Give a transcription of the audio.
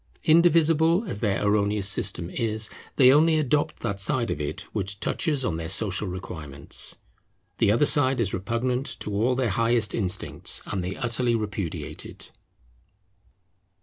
Indivisible as their erroneous system is, they only adopt that side of it which touches on their social requirements. The other side is repugnant to all their highest instincts, and they utterly repudiate it.